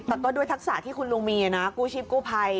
แต่ก็ด้วยทักษะที่คุณลุงมีนะกู้ชีพกู้ภัย